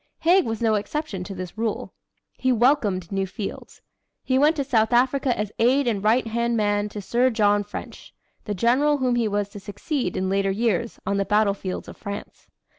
Haig was no exception to this rule. He welcomed new fields. He went to South Africa as aide and right hand man to Sir John French the general whom he was to succeed in later years on the battlefields of France.